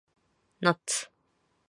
ナッツ